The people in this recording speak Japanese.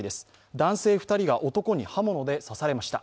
男性２人が男に刃物で刺されました。